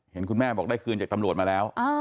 เห็นคุณแม่บอกได้คืนจากตำรวจมาแล้ว